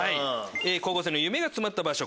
高校生の夢が詰まった場所。